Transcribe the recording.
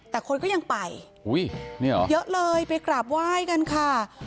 แต่คนก็ยังไปอุ้ยเยอะเลยไปกราบไหว้กันค่ะ